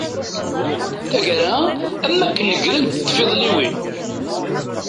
Tagara-a, am wakken negrent tfiḍliwin.